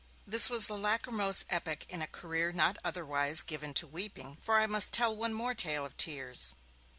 This was the lachrymose epoch in a career not otherwise given to weeping, for I must tell one more tale of tears.